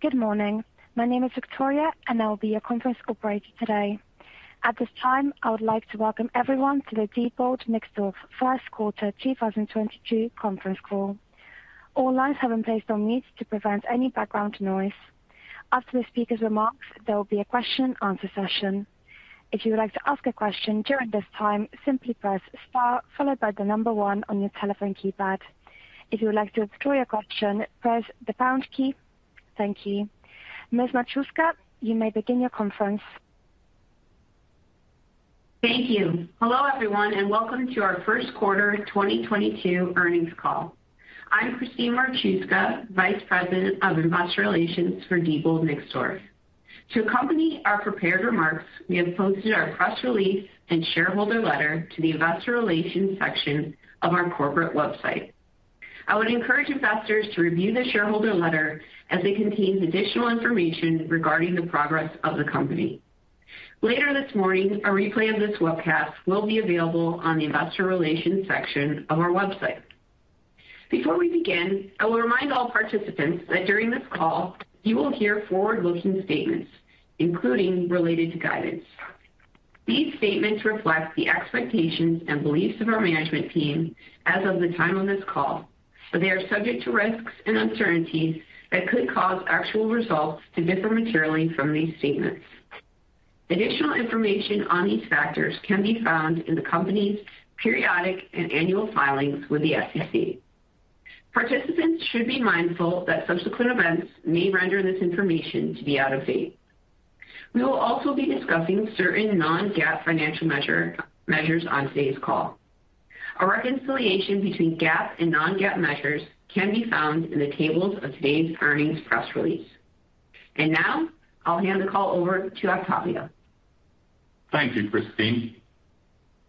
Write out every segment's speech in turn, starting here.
Good morning. My name is Victoria and I will be your conference operator today. At this time, I would like to welcome everyone to the Diebold Nixdorf Q1 2022 conference call. All lines have been placed on mute to prevent any background noise. After the speaker's remarks, there will be a question and answer session. If you would like to ask a question during this time, simply press star followed by the number one on your telephone keypad. If you would like to withdraw your question, press the pound key. Thank you. Ms. Marchuska, you may begin your conference. Thank you. Hello, everyone, and welcome to our Q1 2022 earnings call. I'm Christine Marchuska, Vice President of Investor Relations for Diebold Nixdorf. To accompany our prepared remarks, we have posted our press release and shareholder letter to the investor relations section of our corporate website. I would encourage investors to review the shareholder letter as it contains additional information regarding the progress of the company. Later this morning, a replay of this webcast will be available on the investor relations section of our website. Before we begin, I will remind all participants that during this call you will hear forward-looking statements, including related to guidance. These statements reflect the expectations and beliefs of our management team as of the time on this call, but they are subject to risks and uncertainties that could cause actual results to differ materially from these statements. Additional information on these factors can be found in the company's periodic and annual filings with the SEC. Participants should be mindful that subsequent events may render this information to be out of date. We will also be discussing certain non-GAAP financial measures on today's call. A reconciliation between GAAP and non-GAAP measures can be found in the tables of today's earnings press release. Now I'll hand the call over to Octavio. Thank you, Christine.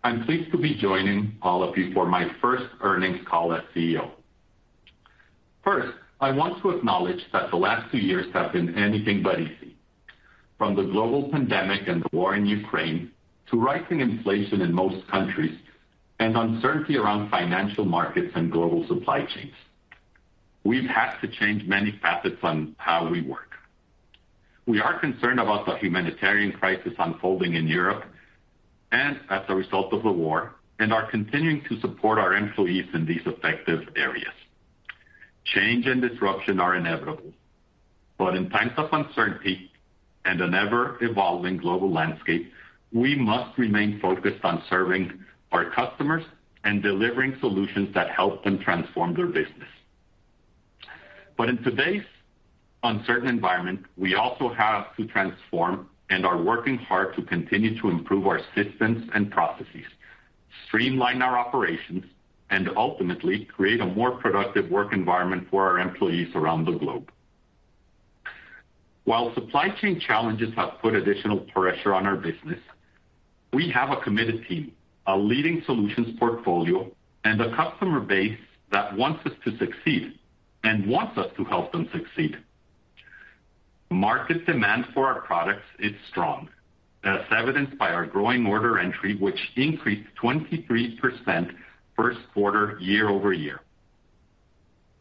I'm pleased to be joining all of you for my first earnings call as CEO. First, I want to acknowledge that the last two years have been anything but easy. From the global pandemic and the war in Ukraine to rising inflation in most countries and uncertainty around financial markets and global supply chains. We've had to change many facets on how we work. We are concerned about the humanitarian crisis unfolding in Europe and as a result of the war, and are continuing to support our employees in these affected areas. Change and disruption are inevitable, but in times of uncertainty and an ever-evolving global landscape, we must remain focused on serving our customers and delivering solutions that help them transform their business. In today's uncertain environment, we also have to transform and are working hard to continue to improve our systems and processes, streamline our operations, and ultimately create a more productive work environment for our employees around the globe. While supply chain challenges have put additional pressure on our business, we have a committed team, a leading solutions portfolio, and a customer base that wants us to succeed and wants us to help them succeed. Market demand for our products is strong, as evidenced by our growing order entry, which increased 23% Q1 year-over-year.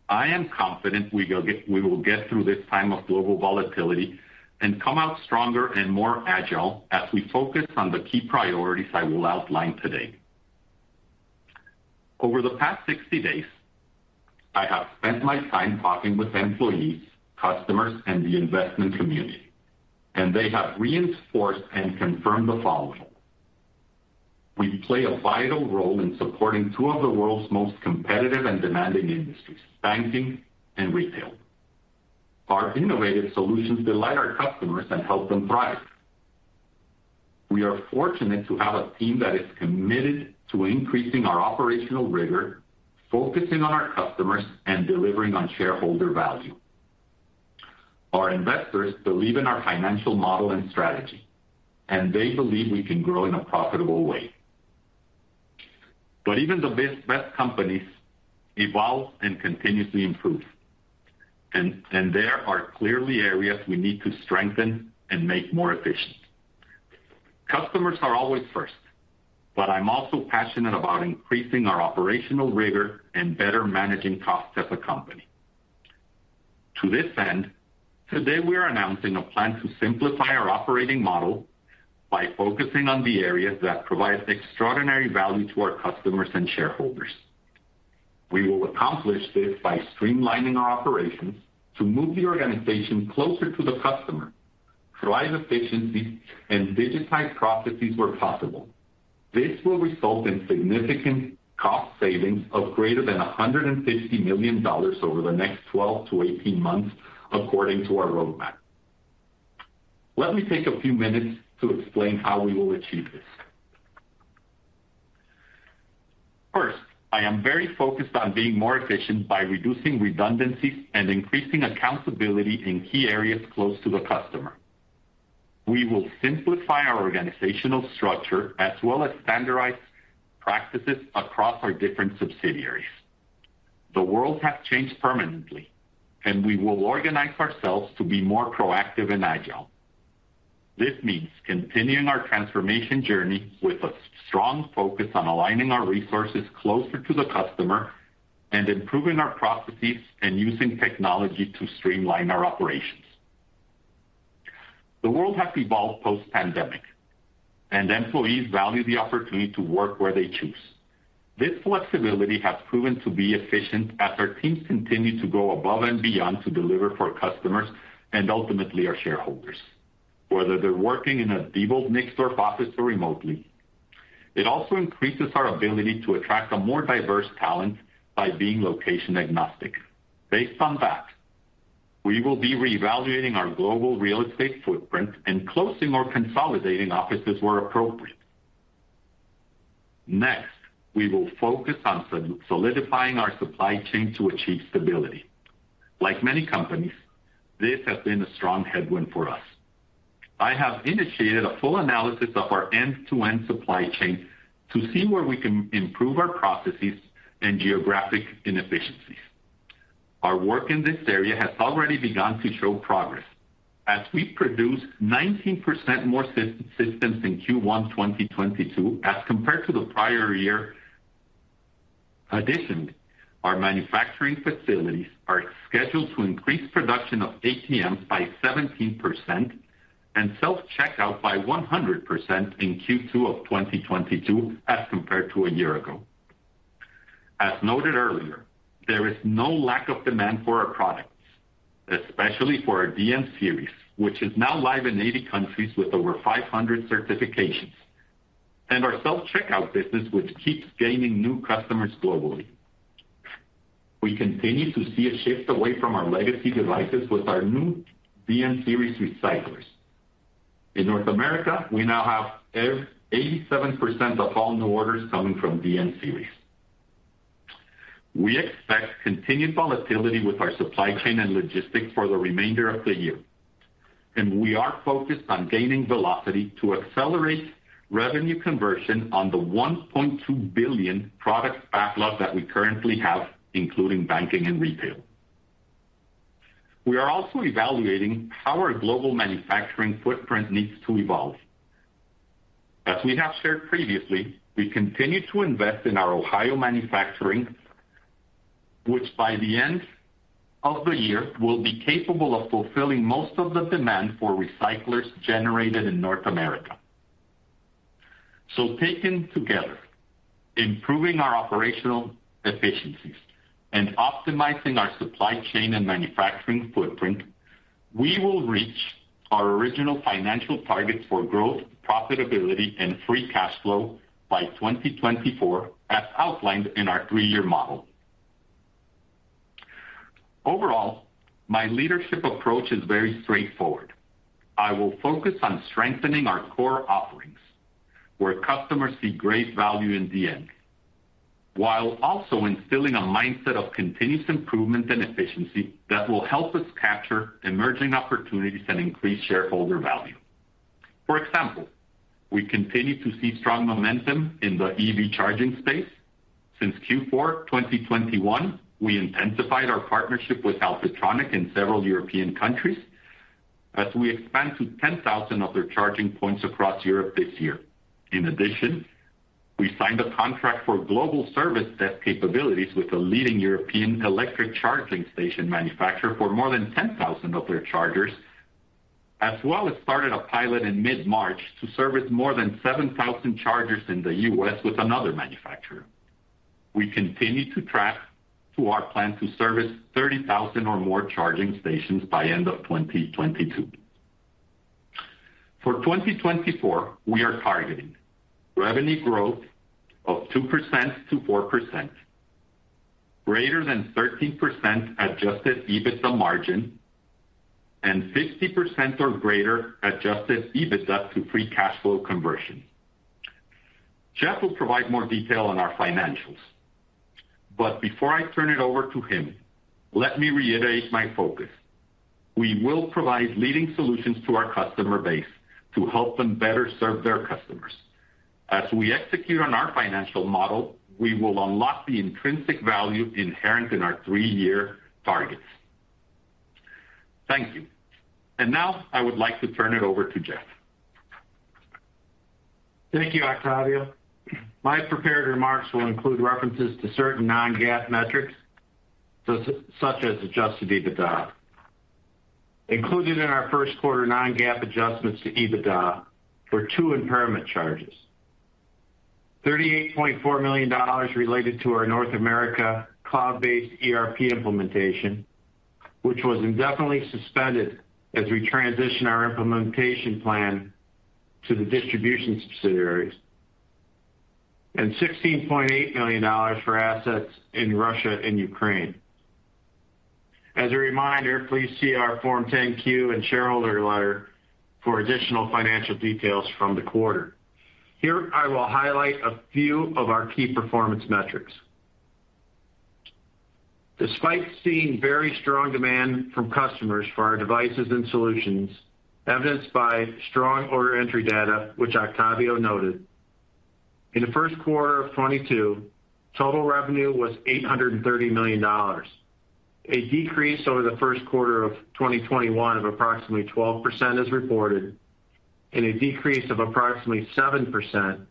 I am confident we will get through this time of global volatility and come out stronger and more agile as we focus on the key priorities I will outline today. Over the past 60 days, I have spent my time talking with employees, customers, and the investment community, and they have reinforced and confirmed the following. We play a vital role in supporting two of the world's most competitive and demanding industries, banking and retail. Our innovative solutions delight our customers and help them thrive. We are fortunate to have a team that is committed to increasing our operational rigor, focusing on our customers, and delivering on shareholder value. Our investors believe in our financial model and strategy, and they believe we can grow in a profitable way. Even the best companies evolve and continuously improve, and there are clearly areas we need to strengthen and make more efficient. Customers are always first, but I'm also passionate about increasing our operational rigor and better managing costs as a company. To this end, today we are announcing a plan to simplify our operating model by focusing on the areas that provide extraordinary value to our customers and shareholders. We will accomplish this by streamlining our operations to move the organization closer to the customer, drive efficiency, and digitize processes where possible. This will result in significant cost savings of greater than $150 million over the next 12-18 months, according to our roadmap. Let me take a few minutes to explain how we will achieve this. First, I am very focused on being more efficient by reducing redundancies and increasing accountability in key areas close to the customer. We will simplify our organizational structure as well as standardize practices across our different subsidiaries. The world has changed permanently, and we will organize ourselves to be more proactive and agile. This means continuing our transformation journey with a strong focus on aligning our resources closer to the customer and improving our processes and using technology to streamline our operations. The world has evolved post-pandemic, and employees value the opportunity to work where they choose. This flexibility has proven to be efficient as our teams continue to go above and beyond to deliver for customers and ultimately our shareholders, whether they're working in a hybrid, mixed or office or remotely. It also increases our ability to attract a more diverse talent by being location agnostic. Based on that, we will be reevaluating our global real estate footprint and closing or consolidating offices where appropriate. Next, we will focus on solidifying our supply chain to achieve stability. Like many companies, this has been a strong headwind for us. I have initiated a full analysis of our end-to-end supply chain to see where we can improve our processes and geographic inefficiencies. Our work in this area has already begun to show progress as we produce 19% more DN systems in Q1 2022 as compared to the prior year. Additionally, our manufacturing facilities are scheduled to increase production of ATMs by 17% and self-checkout by 100% in Q2 of 2022 as compared to a year ago. As noted earlier, there is no lack of demand for our products, especially for our DN Series, which is now live in 80 countries with over 500 certifications, and our self-checkout business, which keeps gaining new customers globally. We continue to see a shift away from our legacy devices with our new DN Series recyclers. In North America, we now have 87% of all new orders coming from DN Series. We expect continued volatility with our supply chain and logistics for the remainder of the year, and we are focused on gaining velocity to accelerate revenue conversion on the $1.2 billion product backlog that we currently have, including banking and retail. We are also evaluating how our global manufacturing footprint needs to evolve. As we have shared previously, we continue to invest in our Ohio manufacturing, which by the end of the year will be capable of fulfilling most of the demand for recyclers generated in North America. Taken together, improving our operational efficiencies and optimizing our supply chain and manufacturing footprint, we will reach our original financial targets for growth, profitability and free cash flow by 2024, as outlined in our three-year model. Overall, my leadership approach is very straightforward. I will focus on strengthening our core offerings where customers see great value in DN, while also instilling a mindset of continuous improvement and efficiency that will help us capture emerging opportunities and increase shareholder value. For example, we continue to see strong momentum in the EV charging space. Since Q4 2021, we intensified our partnership with Alpitronic in several European countries as we expand to 10,000 of their charging points across Europe this year. In addition, we signed a contract for global service desk capabilities with a leading European electric charging station manufacturer for more than 10,000 of their chargers, as well as started a pilot in mid-March to service more than 7,000 chargers in the US with another manufacturer. We continue to track to our plan to service 30,000 or more charging stations by end of 2022. For 2024, we are targeting revenue growth of 2%-4%, greater than 13% adjusted EBITDA margin, and 50% or greater adjusted EBITDA to free cash flow conversion. Jeff will provide more detail on our financials. Before I turn it over to him, let me reiterate my focus. We will provide leading solutions to our customer base to help them better serve their customers. As we execute on our financial model, we will unlock the intrinsic value inherent in our three-year targets. Thank you. Now I would like to turn it over to Jeff. Thank you, Octavio. My prepared remarks will include references to certain non-GAAP metrics, such as adjusted EBITDA. Included in our Q1 non-GAAP adjustments to EBITDA were two impairment charges. $38.4 million related to our North America cloud-based ERP implementation, which was indefinitely suspended as we transition our implementation plan to the distribution subsidiaries, and $16.8 million for assets in Russia and Ukraine. As a reminder, please see our Form 10-Q and shareholder letter for additional financial details from the quarter. Here, I will highlight a few of our key performance metrics. Despite seeing very strong demand from customers for our devices and solutions, evidenced by strong order entry data, which Octavio noted. In the Q1 of 2022, total revenue was $830 million. A decrease over the Q1 of 2021 of approximately 12% is reported, and a decrease of approximately 7%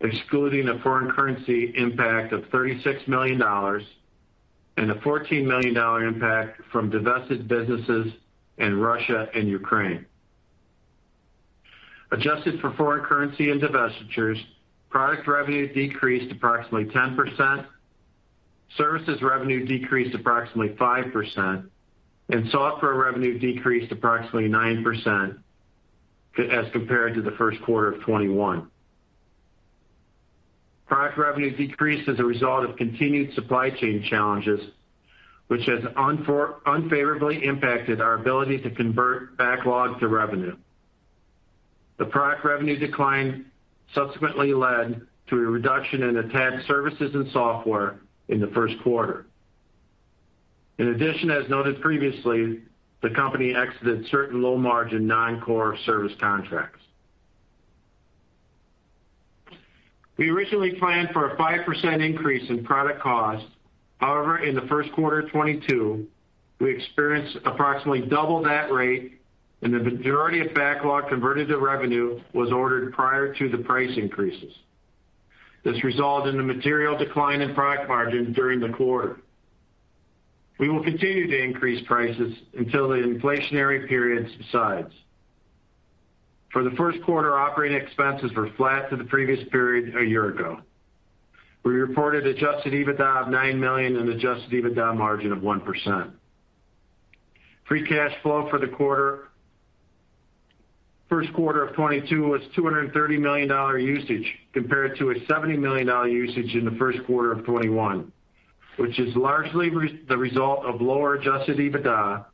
excluding a foreign currency impact of $36 million and a $14 million impact from divested businesses in Russia and Ukraine. Adjusted for foreign currency and divestitures, product revenue decreased approximately 10%, services revenue decreased approximately 5%, and software revenue decreased approximately 9% as compared to the Q1 of 2021. Product revenue decreased as a result of continued supply chain challenges, which has unfavorably impacted our ability to convert backlog to revenue. The product revenue decline subsequently led to a reduction in attached services and software in the Q1. In addition, as noted previously, the company exited certain low-margin non-core service contracts. We originally planned for a 5% increase in product costs. However, in the Q1 of 2022, we experienced approximately double that rate, and the majority of backlog converted to revenue was ordered prior to the price increases. This resulted in a material decline in product margin during the quarter. We will continue to increase prices until the inflationary period subsides. For the Q1, operating expenses were flat to the previous period a year ago. We reported adjusted EBITDA of $9 million and adjusted EBITDA margin of 1%. Free cash flow for the quarter, Q1 of 2022 was $230 million usage compared to a $70 million usage in the Q1 of 2021, which is largely the result of lower adjusted EBITDA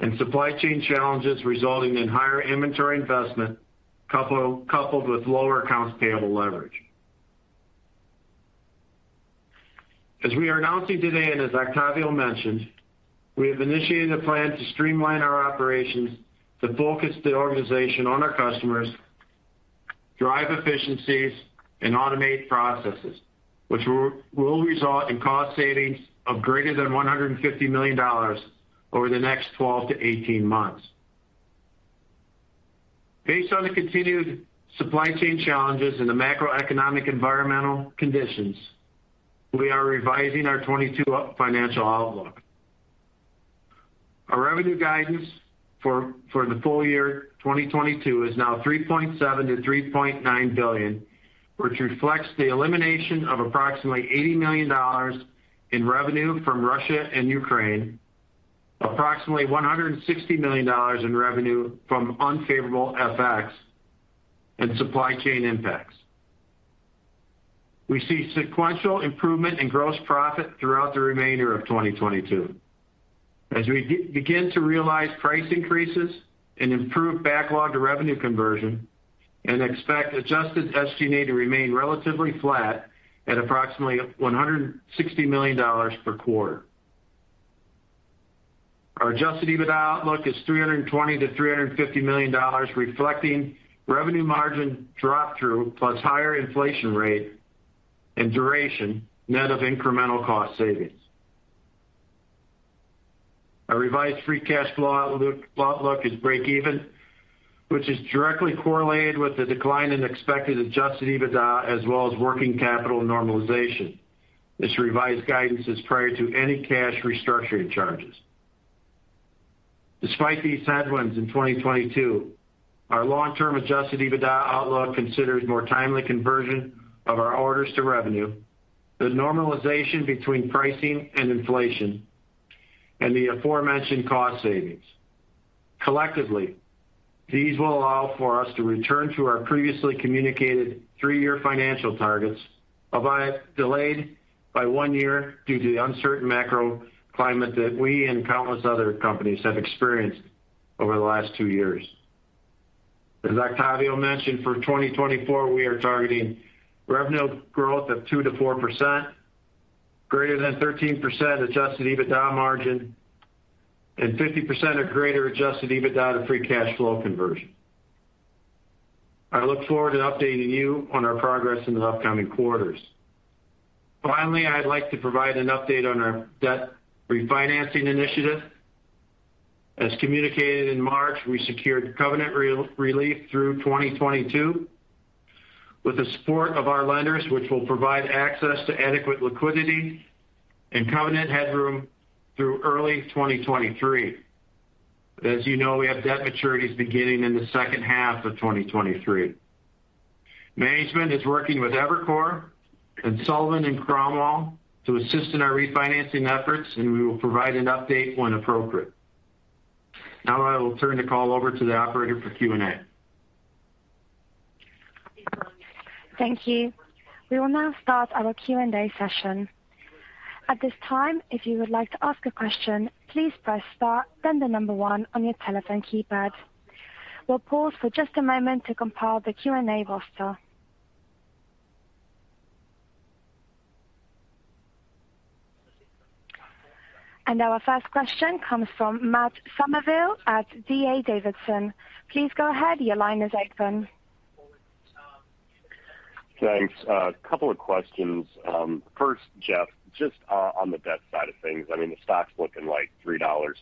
and supply chain challenges resulting in higher inventory investment coupled with lower accounts payable leverage. As we are announcing today, and as Octavio mentioned, we have initiated a plan to streamline our operations to focus the organization on our customers, drive efficiencies, and automate processes, which will result in cost savings of greater than $150 million over the next 12-18 months. Based on the continued supply chain challenges and the macroeconomic environmental conditions, we are revising our 2022 financial outlook. Our revenue guidance for the full year 2022 is now $3.7 billion-$3.9 billion, which reflects the elimination of approximately $80 million in revenue from Russia and Ukraine, approximately $160 million in revenue from unfavorable FX and supply chain impacts. We see sequential improvement in gross profit throughout the remainder of 2022 as we begin to realize price increases and improve backlog to revenue conversion and expect adjusted SG&A to remain relatively flat at approximately $160 million per quarter. Our adjusted EBITDA outlook is $320 million-$350 million, reflecting revenue margin drop-through plus higher inflation rate and duration net of incremental cost savings. Our revised free cash flow outlook is breakeven, which is directly correlated with the decline in expected adjusted EBITDA as well as working capital normalization. This revised guidance is prior to any cash restructuring charges. Despite these headwinds in 2022, our long-term adjusted EBITDA outlook considers more timely conversion of our orders to revenue, the normalization between pricing and inflation, and the aforementioned cost savings. Collectively, these will allow for us to return to our previously communicated three year financial targets, albeit delayed by one year due to the uncertain macro climate that we and countless other companies have experienced over the last two years. As Octavio mentioned, for 2024, we are targeting revenue growth of 2%-4%, greater than 13% adjusted EBITDA margin, and 50% or greater adjusted EBITDA to free cash flow conversion. I look forward to updating you on our progress in the upcoming quarters. Finally, I'd like to provide an update on our debt refinancing initiative. As communicated in March, we secured covenant relief through 2022 with the support of our lenders, which will provide access to adequate liquidity and covenant headroom through early 2023. As you know, we have debt maturities beginning in the H2 of 2023. Management is working with Evercore and Sullivan & Cromwell to assist in our refinancing efforts, and we will provide an update when appropriate. Now, I will turn the call over to the operator for Q&A. Thank you. We will now start our Q&A session. At this time, if you would like to ask a question, please press star then the number one on your telephone keypad. We'll pause for just a moment to compile the Q&A roster. Our first question comes from Matt Summerville at D.A. Davidson. Please go ahead. Your line is open. Thanks. A couple of questions. First, Jeff, just on the debt side of things, I mean, the stock's looking like $3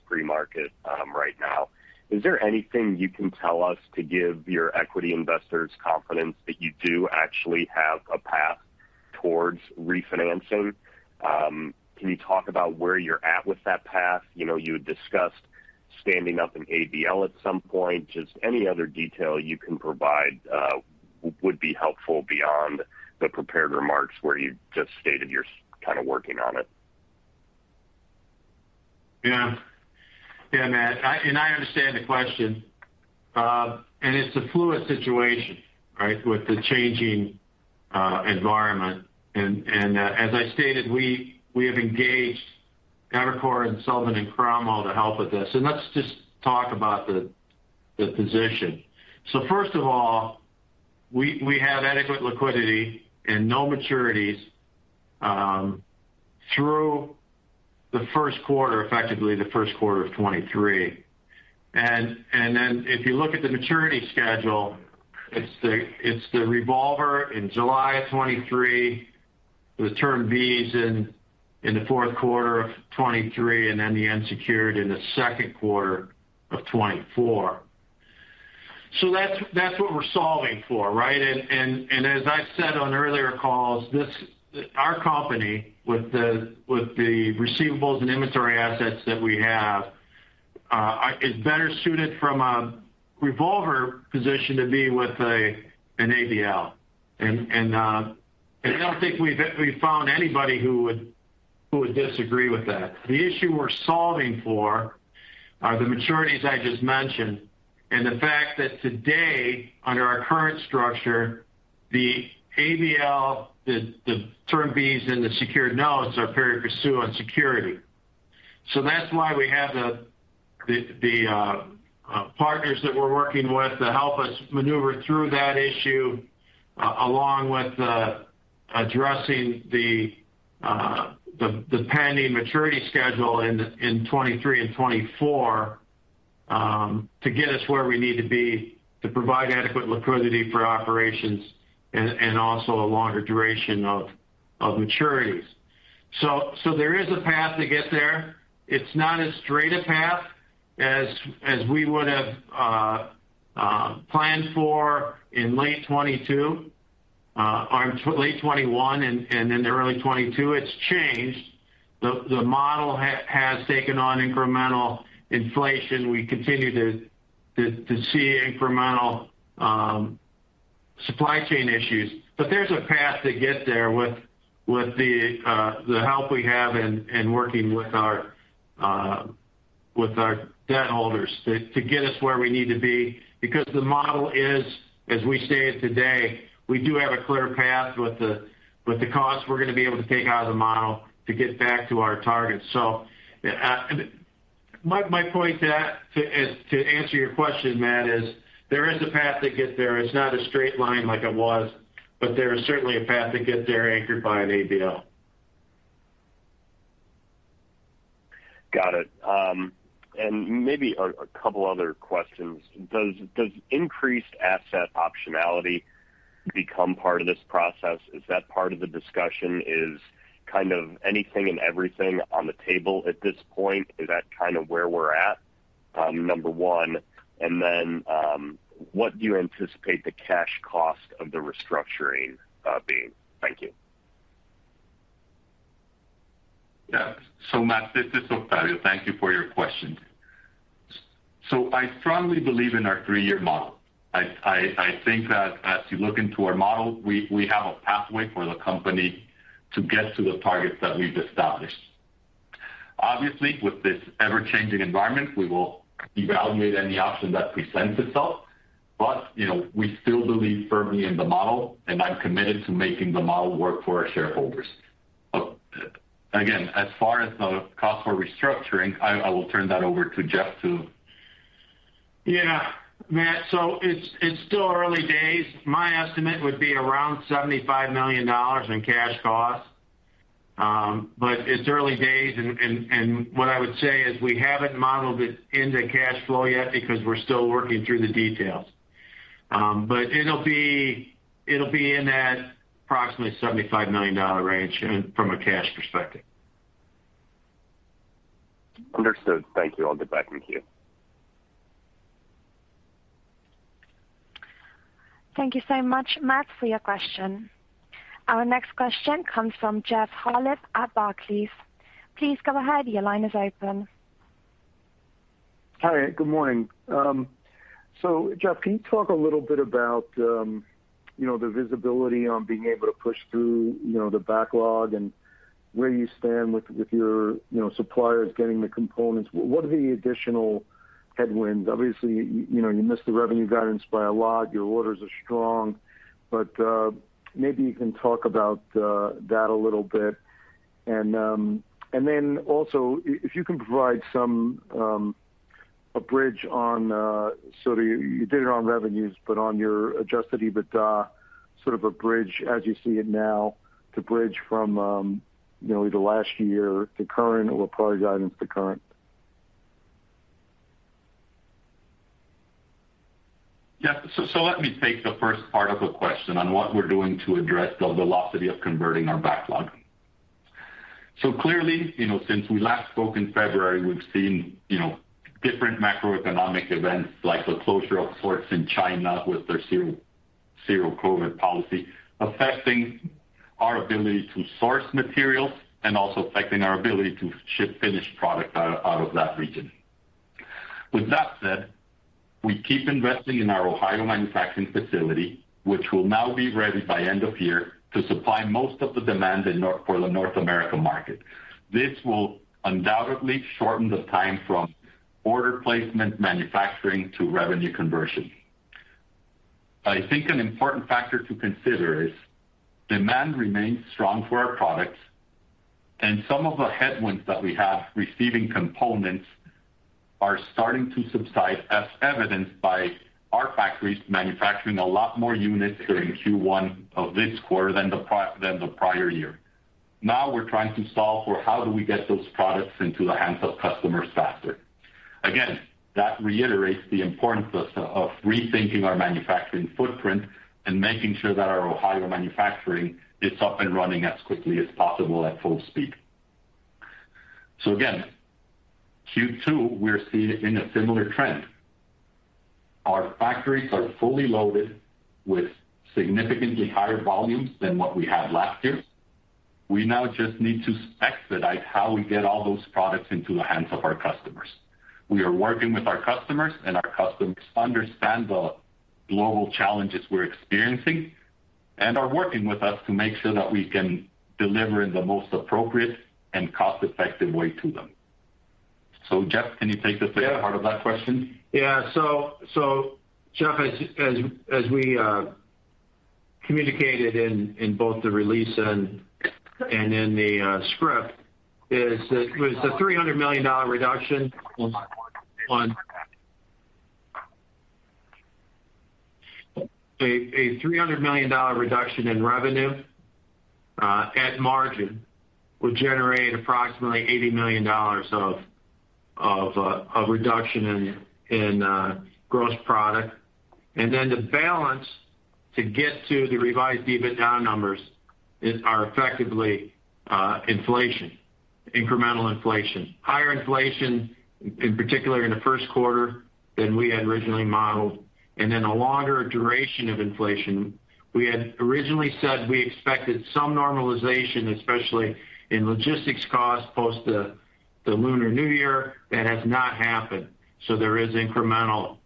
pre-market, right now. Is there anything you can tell us to give your equity investors confidence that you do actually have a path towards refinancing? Can you talk about where you're at with that path? You know, you had discussed standing up an ABL at some point. Just any other detail you can provide would be helpful beyond the prepared remarks where you just stated you're kind of working on it. Yeah, Matt. I understand the question. It's a fluid situation, right, with the changing environment. As I stated, we have engaged Evercore and Sullivan & Cromwell to help with this. Let's just talk about the position. First of all, we have adequate liquidity and no maturities through the Q1, effectively the Q1 of 2023. Then if you look at the maturity schedule, it's the revolver in July of 2023, the Term Bs in the Q4 of 2023, and then the unsecured in the Q2 of 2024. That's what we're solving for, right? As I said on earlier calls, our company with the receivables and inventory assets that we have is better suited from a revolver position to be with an ABL. I don't think we've found anybody who would disagree with that. The issue we're solving for are the maturities I just mentioned and the fact that today, under our current structure, the ABL, the Term Bs and the secured notes are pari passu on security. That's why we have the partners that we're working with to help us maneuver through that issue, along with addressing the pending maturity schedule in 2023 and 2024, to get us where we need to be to provide adequate liquidity for operations and also a longer duration of maturities. There is a path to get there. It's not as straight a path as we would have planned for in late 2022, or late 2021 and into early 2022. It's changed. The model has taken on incremental inflation. We continue to see incremental supply chain issues. There's a path to get there with the help we have in working with our debt holders to get us where we need to be because the model is, as we say it today, we do have a clear path with the costs we're gonna be able to take out of the model to get back to our targets. My point to that is to answer your question, Matt. There is a path to get there. It's not a straight line like it was, but there is certainly a path to get there anchored by an ABL. Got it. Maybe a couple other questions. Does increased asset optionality become part of this process? Is that part of the discussion? Is kind of anything and everything on the table at this point? Is that kind of where we're at, number one? What do you anticipate the cash cost of the restructuring being? Thank you. Yeah. Matt, this is Octavio. Thank you for your question. I strongly believe in our three-year model. I think that as you look into our model, we have a pathway for the company to get to the targets that we've established. Obviously, with this ever-changing environment, we will evaluate any option that presents itself. You know, we still believe firmly in the model, and I'm committed to making the model work for our shareholders. Again, as far as the cost for restructuring, I will turn that over to Jeff. Yeah. Matt, it's still early days. My estimate would be around $75 million in cash costs. But it's early days and what I would say is we haven't modeled it into cash flow yet because we're still working through the details. But it'll be in that approximately $75 million dollar range from a cash perspective. Understood. Thank you. I'll get back in queue. Thank you so much, Matt, for your question. Our next question comes from Jeffrey Harlib at Barclays. Please go ahead. Your line is open. Hi. Good morning. So Jeff, can you talk a little bit about, you know, the visibility on being able to push through, you know, the backlog and where you stand with your, you know, suppliers getting the components? What are the additional headwinds? Obviously, you know, you missed the revenue guidance by a lot. Your orders are strong. Maybe you can talk about that a little bit. And then also if you can provide some, a bridge on, so you did it on revenues, but on your adjusted EBITDA, sort of a bridge as you see it now to bridge from, you know, either last year to current or the product guidance to current. Yes. Let me take the first part of the question on what we're doing to address the velocity of converting our backlog. Clearly, you know, since we last spoke in February, we've seen, you know, different macroeconomic events like the closure of ports in China with their zero-COVID policy, affecting our ability to source materials and also affecting our ability to ship finished product out of that region. With that said, we keep investing in our Ohio manufacturing facility, which will now be ready by end of year to supply most of the demand for the North America market. This will undoubtedly shorten the time from order placement manufacturing to revenue conversion. I think an important factor to consider is demand remains strong for our products, and some of the headwinds that we have in receiving components are starting to subside, as evidenced by our factories manufacturing a lot more units during Q1 of this quarter than the prior year. Now we're trying to solve for how do we get those products into the hands of customers faster. Again, that reiterates the importance of rethinking our manufacturing footprint and making sure that our Ohio manufacturing is up and running as quickly as possible at full speed. Again, Q2, we're seeing a similar trend. Our factories are fully loaded with significantly higher volumes than what we had last year. We now just need to expedite how we get all those products into the hands of our customers. We are working with our customers, and our customers understand the global challenges we're experiencing and are working with us to make sure that we can deliver in the most appropriate and cost-effective way to them. Jeff, can you take the second part of that question? Yeah. Jeff, as we communicated in both the release and in the script, with a $300 million reduction in revenue at margin will generate approximately $80 million of reduction in gross profit. The balance to get to the revised EBITDA numbers is effectively our incremental inflation. Higher inflation in particular in the Q1 than we had originally modeled, and then a longer duration of inflation. We had originally said we expected some normalization, especially in logistics costs, post the Lunar New Year. That has not happened. There is incremental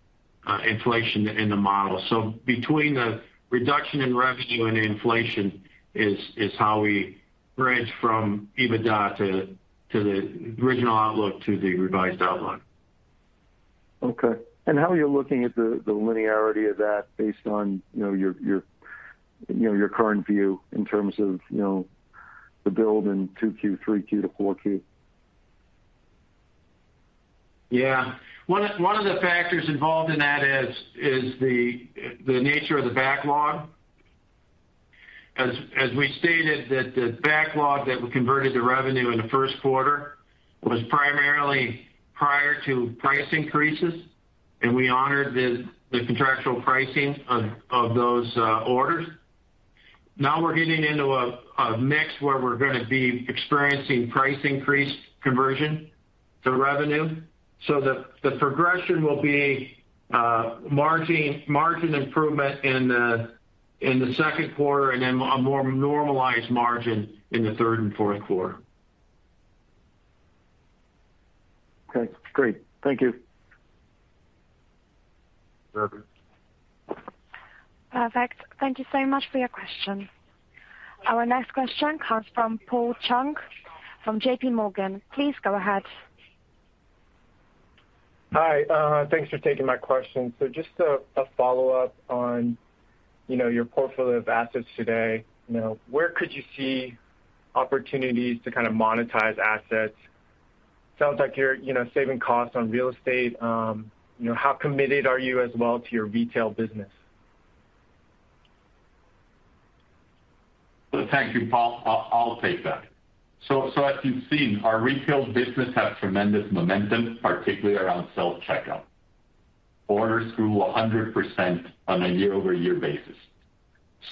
inflation in the model. Between the reduction in revenue and inflation is how we bridge from EBITDA to the original outlook to the revised outlook. Okay. How are you looking at the linearity of that based on, you know, your current view in terms of, you know, the build in Q2, Q3 to Q4? Yeah. One of the factors involved in that is the nature of the backlog. As we stated, the backlog that we converted to revenue in the Q1 was primarily prior to price increases, and we honored the contractual pricing of those orders. Now we're getting into a mix where we're gonna be experiencing price increase conversion to revenue. The progression will be margin improvement in the Q2 and then a more normalized margin in the third and Q4. Okay, great. Thank you. You're welcome. Perfect. Thank you so much for your question. Our next question comes from Paul Chung from JPMorgan. Please go ahead. Hi, thanks for taking my question. Just a follow-up on, you know, your portfolio of assets today. You know, where could you see opportunities to kind of monetize assets? Sounds like you're, you know, saving costs on real estate. You know, how committed are you as well to your retail business? Thank you, Paul. I'll take that. As you've seen, our retail business has tremendous momentum, particularly around self-checkout. Orders grew 100% on a year-over-year basis.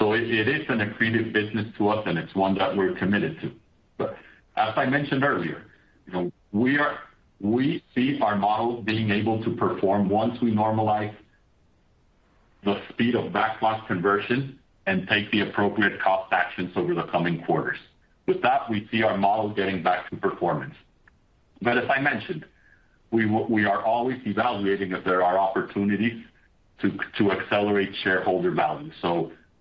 It is an accretive business to us, and it's one that we're committed to. As I mentioned earlier, you know, we see our model being able to perform once we normalize the speed of backlog conversion and take the appropriate cost actions over the coming quarters. With that, we see our model getting back to performance. As I mentioned, we are always evaluating if there are opportunities to accelerate shareholder value.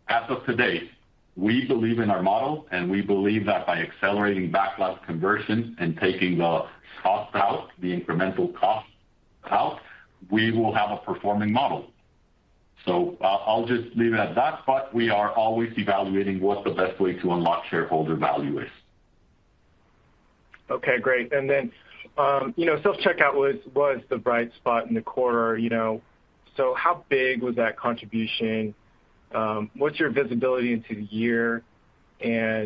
As of to date, we believe in our model, and we believe that by accelerating backlog conversion and taking the cost out, the incremental cost out, we will have a performing model. I'll just leave it at that, but we are always evaluating what the best way to unlock shareholder value is. Okay, great. Self-checkout was the bright spot in the quarter, you know. How big was that contribution? What's your visibility into the year? Are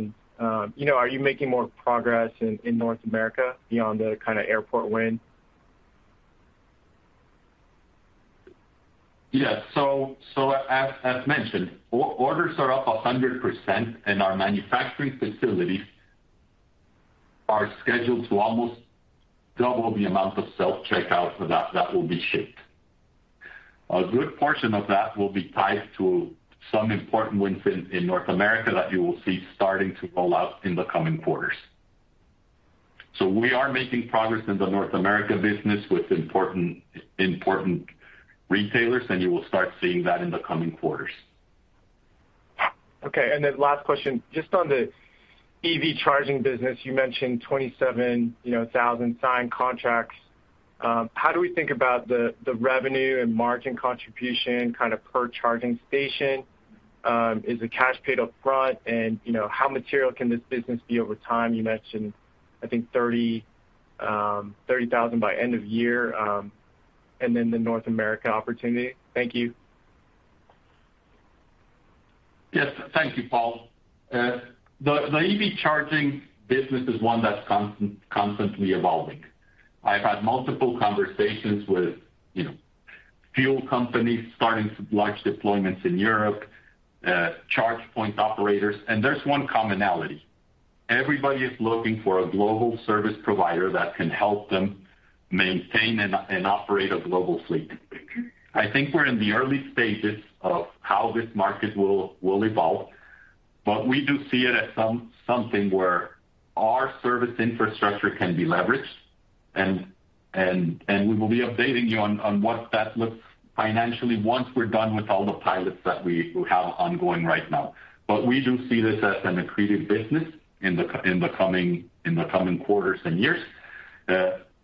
you making more progress in North America beyond the kinda airport win? Yes. As mentioned, orders are up 100% and our manufacturing facilities are scheduled to almost double the amount of self-checkout that will be shipped. A good portion of that will be tied to some important wins in North America that you will see starting to roll out in the coming quarters. We are making progress in the North America business with important retailers, and you will start seeing that in the coming quarters. Okay. Last question, just on the EV charging business. You mentioned 27,000, you know, signed contracts. How do we think about the revenue and margin contribution kind of per charging station? Is the cash paid up front? You know, how material can this business be over time? You mentioned, I think 30,000 by end of year, and then the North America opportunity. Thank you. Yes. Thank you, Paul. The EV charging business is one that's constantly evolving. I've had multiple conversations with, you know, fuel companies starting large deployments in Europe, charge point operators, and there's one commonality. Everybody is looking for a global service provider that can help them maintain and operate a global fleet. I think we're in the early stages of how this market will evolve, but we do see it as something where our service infrastructure can be leveraged and we will be updating you on what that looks financially once we're done with all the pilots that we have ongoing right now. We do see this as an accretive business in the coming quarters and years.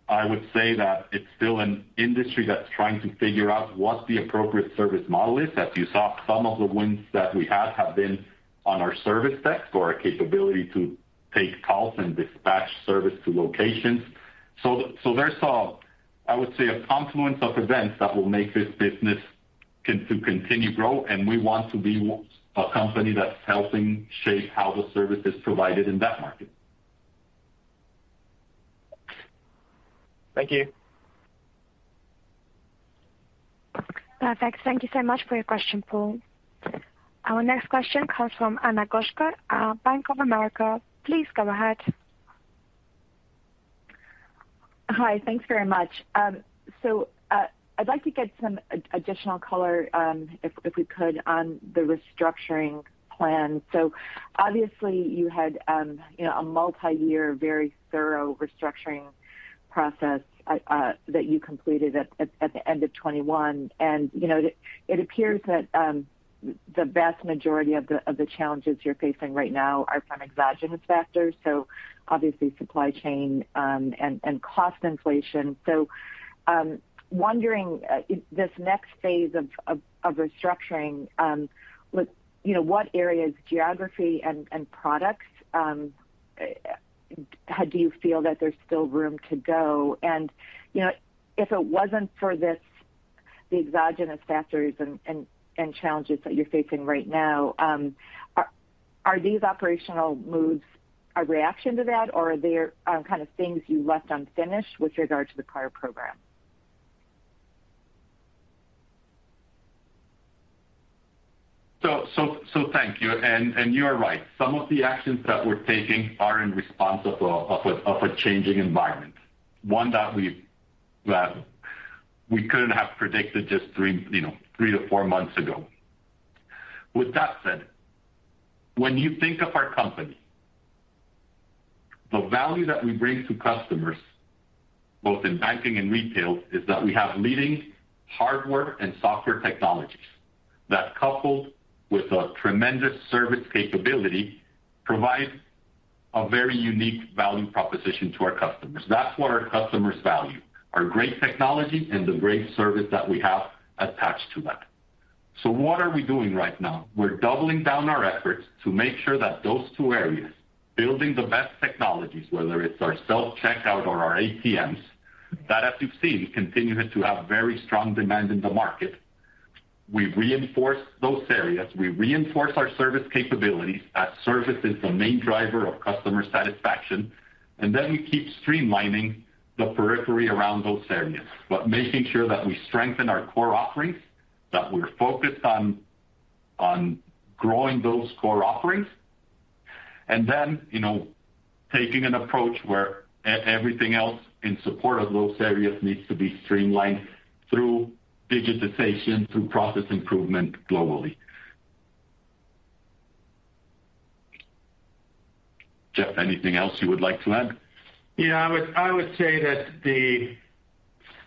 I would say that it's still an industry that's trying to figure out what the appropriate service model is. As you saw, some of the wins that we had have been on our service desk or our capability to take calls and dispatch service to locations. So there's, I would say, a confluence of events that will make this business continue to grow, and we want to be a company that's helping shape how the service is provided in that market. Thank you. Perfect. Thank you so much for your question, Paul. Our next question comes from Anastasia Goshko at Bank of America. Please go ahead. Hi. Thanks very much. I'd like to get some additional color, if we could, on the restructuring plan. Obviously you had, you know, a multiyear, very thorough restructuring process, that you completed at the end of 2021. You know, it appears that the vast majority of the challenges you're facing right now are from exogenous factors, so obviously supply chain and cost inflation. Wondering, this next phase of restructuring, with, you know, what areas, geography and products, do you feel that there's still room to go? You know, if it wasn't for this, the exogenous factors and challenges that you're facing right now, are these operational moves a reaction to that or are there kind of things you left unfinished with regard to the prior program? Thank you. You are right. Some of the actions that we're taking are in response to a changing environment, one that we couldn't have predicted just three to four months ago. With that said, when you think of our company, the value that we bring to customers, both in banking and retail, is that we have leading hardware and software technologies that, coupled with a tremendous service capability, provide a very unique value proposition to our customers. That's what our customers value, our great technology and the great service that we have attached to that. What are we doing right now? We're doubling down our efforts to make sure that those two areas, building the best technologies, whether it's our self-checkout or our ATMs, that as you've seen, continue to have very strong demand in the market. We reinforce those areas. We reinforce our service capabilities. That service is the main driver of customer satisfaction. We keep streamlining the periphery around those areas, but making sure that we strengthen our core offerings, that we're focused on growing those core offerings, and then, you know, taking an approach where everything else in support of those areas needs to be streamlined through digitization, through process improvement globally. Jeff, anything else you would like to add? Yeah. I would say that the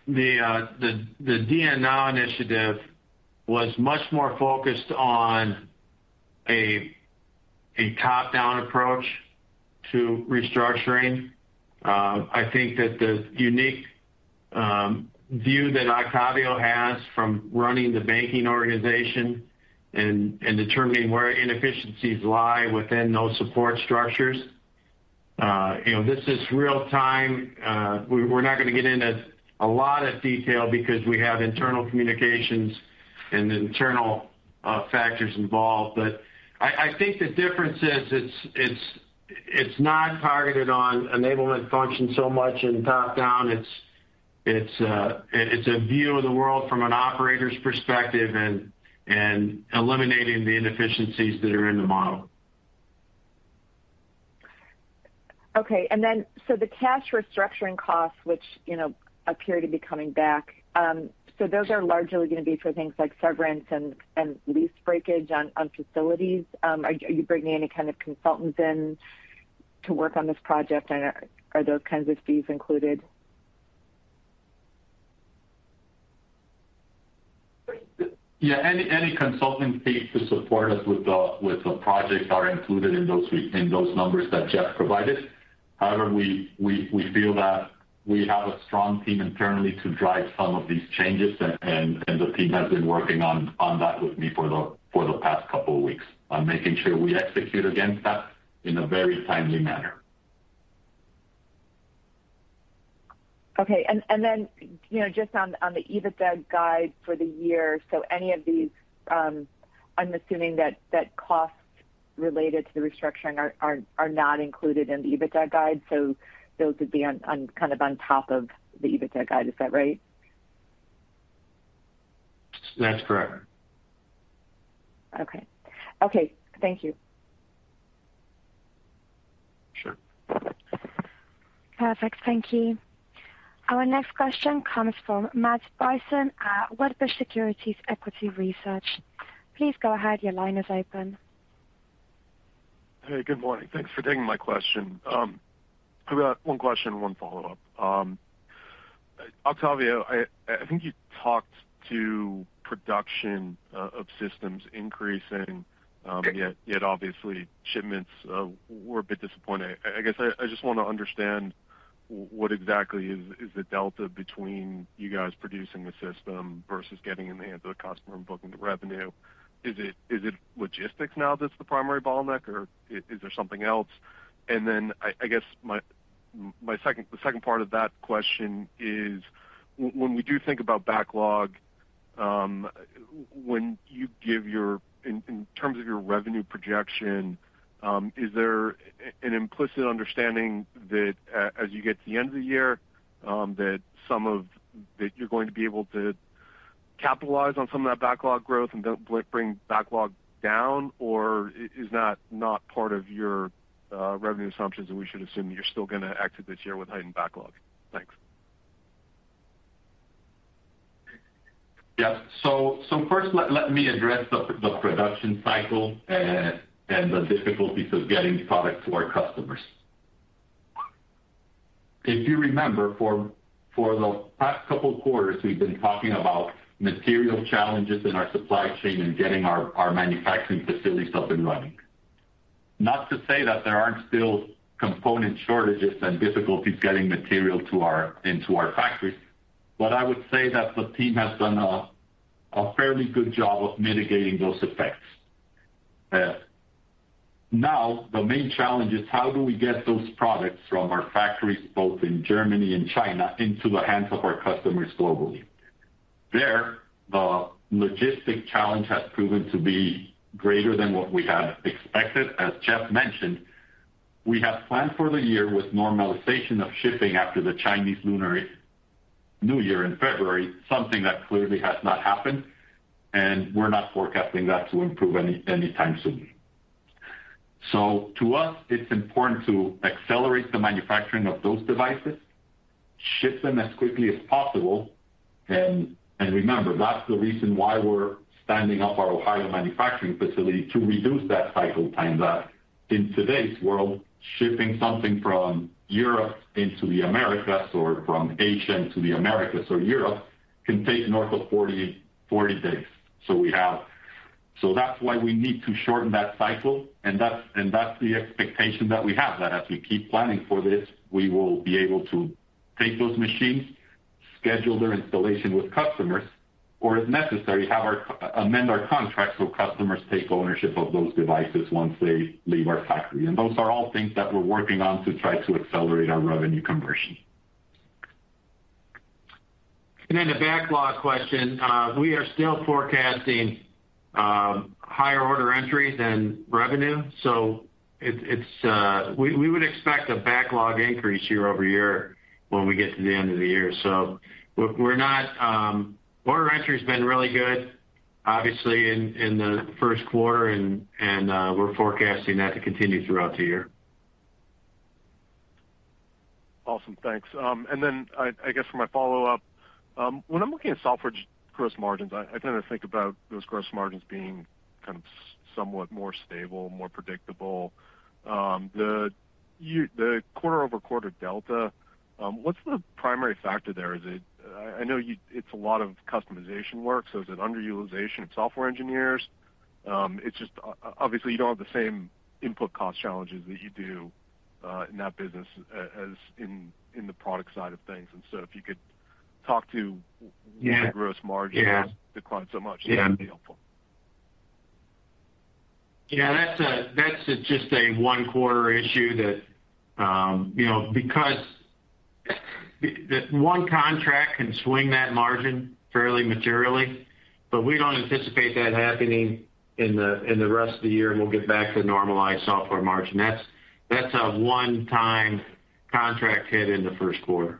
DN Now initiative was much more focused on a top-down approach to restructuring. I think that the unique view that Octavio has from running the banking organization and determining where inefficiencies lie within those support structures. You know, this is real time. We're not gonna get into a lot of detail because we have internal communications and internal factors involved. I think the difference is it's not targeted on enablement function so much in top-down. It's a view of the world from an operator's perspective and eliminating the inefficiencies that are in the model. Okay. The cash restructuring costs, which, you know, appear to be coming back, so those are largely gonna be for things like severance and lease breakage on facilities. Are you bringing any kind of consultants in to work on this project, and are those kinds of fees included? Yeah. Any consulting fee to support us with the projects are included in those numbers that Jeff provided. However, we feel that we have a strong team internally to drive some of these changes, and the team has been working on that with me for the past couple of weeks on making sure we execute against that in a very timely manner. Okay. You know, just on the EBITDA guide for the year. Any of these, I'm assuming that costs related to the restructuring are not included in the EBITDA guide. Those would be on kind of on top of the EBITDA guide. Is that right? That's correct. Okay, thank you. Sure. Perfect. Thank you. Our next question comes from Matt Bryson at Wedbush Securities Equity Research. Please go ahead. Your line is open. Hey, good morning. Thanks for taking my question. I've got one question, one follow-up. Octavio, I think you talked about production of systems increasing. Okay. Yet obviously shipments were a bit disappointing. I guess I just wanna understand what exactly is the delta between you guys producing the system versus getting in the hands of the customer and booking the revenue. Is it logistics now that's the primary bottleneck, or is there something else? I guess my second part of that question is when we do think about backlog, when you give your in terms of your revenue projection, is there an implicit understanding that as you get to the end of the year, that some of That you're going to be able to capitalize on some of that backlog growth and don't bring backlog down, or is that not part of your revenue assumptions that we should assume you're still gonna exit this year with heightened backlog? Thanks. First, let me address the production cycle and the difficulties of getting product to our customers. If you remember, for the past couple quarters, we've been talking about material challenges in our supply chain and getting our manufacturing facilities up and running. Not to say that there aren't still component shortages and difficulties getting material into our factories, but I would say that the team has done a fairly good job of mitigating those effects. Now the main challenge is how do we get those products from our factories, both in Germany and China, into the hands of our customers globally? There, the logistics challenge has proven to be greater than what we had expected. As Jeff mentioned, we have planned for the year with normalization of shipping after the Chinese Lunar New Year in February, something that clearly has not happened, and we're not forecasting that to improve any time soon. To us, it's important to accelerate the manufacturing of those devices, ship them as quickly as possible, and remember, that's the reason why we're standing up our Ohio manufacturing facility to reduce that cycle time that in today's world, shipping something from Europe into the Americas or from Asia to the Americas or Europe can take north of 40 days. That's why we need to shorten that cycle. That's the expectation that we have, that as we keep planning for this, we will be able to take those machines, schedule their installation with customers, or if necessary, amend our contracts so customers take ownership of those devices once they leave our factory. Those are all things that we're working on to try to accelerate our revenue conversion. The backlog question, we are still forecasting higher order entry than revenue. We would expect a backlog increase year-over-year when we get to the end of the year. Order entry has been really good, obviously in the Q1 and we're forecasting that to continue throughout the year. Awesome. Thanks. I guess for my follow-up, when I'm looking at software gross margins, I tend to think about those gross margins being kind of somewhat more stable, more predictable. The quarter-over-quarter delta, what's the primary factor there? Is it? I know it's a lot of customization work, so is it underutilization of software engineers? It's just obviously, you don't have the same input cost challenges that you do, in that business as in the product side of things. If you could talk to- Yeah. the gross margin Yeah. decline so much. Yeah. That'd be helpful. Yeah, that's just a one-quarter issue that, you know, the one contract can swing that margin fairly materially, but we don't anticipate that happening in the rest of the year, and we'll get back to normalized software margin. That's a one-time contract hit in the Q1. Thanks, Jeff. Sure.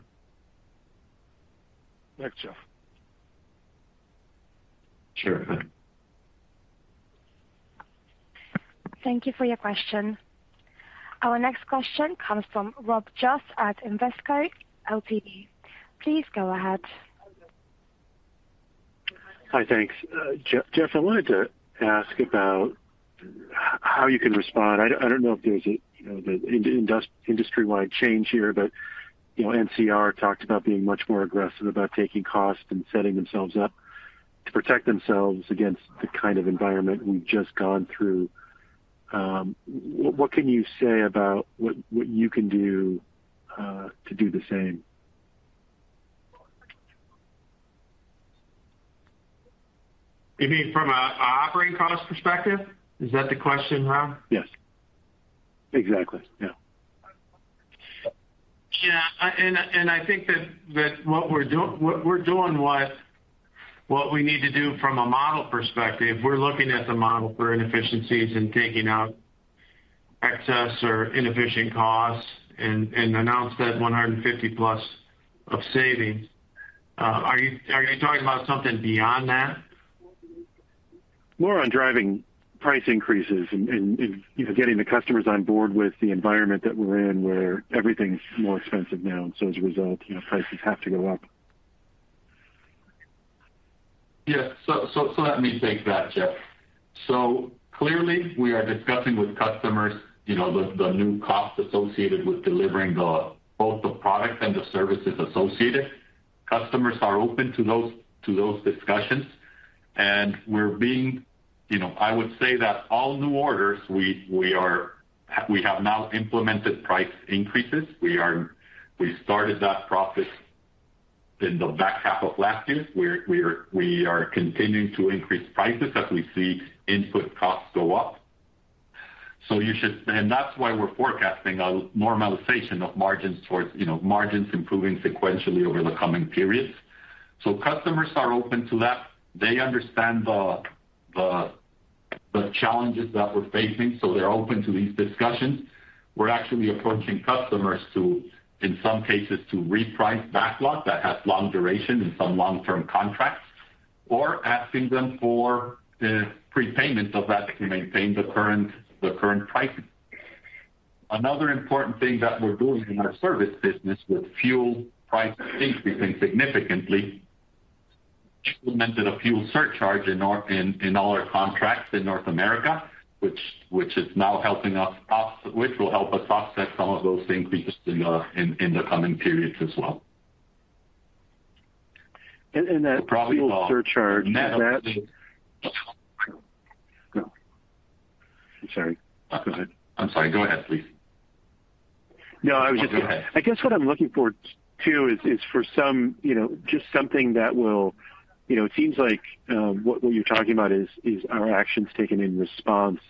Thank you for your question. Our next question comes from Robert Jost at Invesco Ltd. Please go ahead. Hi. Thanks. Jeff, I wanted to ask about how you can respond. I don't know if there's a, you know, the industry-wide change here, but, you know, NCR talked about being much more aggressive about taking costs and setting themselves up to protect themselves against the kind of environment we've just gone through. What can you say about what you can do to do the same? You mean from a operating cost perspective? Is that the question, Rob? Yes. Exactly. Yeah. I think that what we're doing what we need to do from a model perspective. We're looking at the model for inefficiencies and taking out excess or inefficient costs and announced that $150+ million in savings. Are you talking about something beyond that? More on driving price increases and you know, getting the customers on board with the environment that we're in where everything's more expensive now, and so as a result, you know, prices have to go up. Yeah. Let me take that, Jeff. Clearly, we are discussing with customers, you know, the new costs associated with delivering both the product and the services associated. Customers are open to those discussions. You know, I would say that all new orders, we have now implemented price increases. We started that process in the back half of last year. We are continuing to increase prices as we see input costs go up. That's why we're forecasting a normalization of margins towards, you know, margins improving sequentially over the coming periods. Customers are open to that. They understand the challenges that we're facing, so they're open to these discussions. We're actually approaching customers to, in some cases, to reprice backlog that has long duration in some long-term contracts or asking them for the prepayment of that to maintain the current prices. Another important thing that we're doing in our service business with fuel price increasing significantly, implemented a fuel surcharge in all our contracts in North America, which will help us offset some of those increases in the coming periods as well. And, and that- Probably the- fuel surcharge. Is that Net of the. I'm sorry. Go ahead. I'm sorry. Go ahead, please. No, I was just. Go ahead. I guess what I'm looking for too is for some, you know, just something that will. You know, it seems like what you're talking about are actions taken in response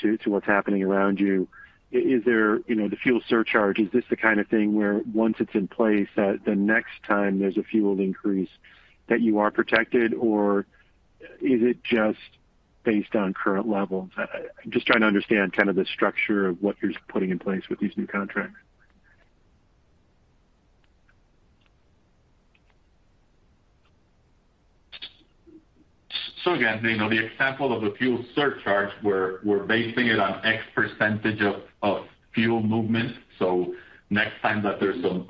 to what's happening around you. The fuel surcharge, is this the kind of thing where once it's in place, the next time there's a fuel increase that you are protected, or is it just based on current levels? I'm just trying to understand kind of the structure of what you're putting in place with these new contracts. Again, you know, the example of a fuel surcharge, we're basing it on X percentage of fuel movement. Next time that there's some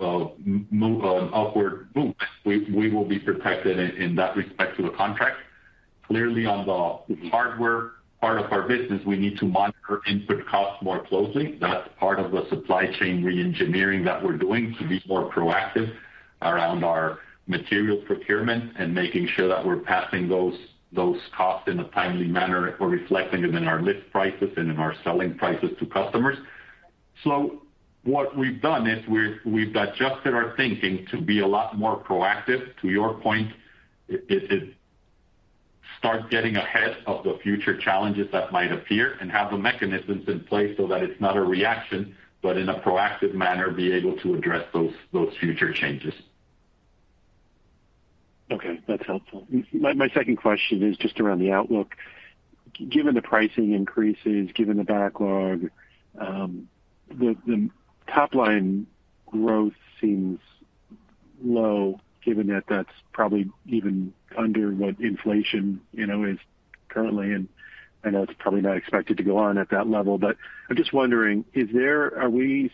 more of an upward boom, we will be protected in that respect to the contract. Clearly, on the hardware part of our business, we need to monitor input costs more closely. That's part of the supply chain re-engineering that we're doing to be more proactive around our material procurement and making sure that we're passing those costs in a timely manner or reflecting them in our list prices and in our selling prices to customers. What we've done is we've adjusted our thinking to be a lot more proactive. To your point, it starts getting ahead of the future challenges that might appear and have the mechanisms in place so that it's not a reaction, but in a proactive manner, be able to address those future changes. Okay. That's helpful. My second question is just around the outlook. Given the pricing increases, given the backlog, the top line growth seems low given that that's probably even under what inflation, you know, is currently. I know it's probably not expected to go on at that level, but I'm just wondering, are we,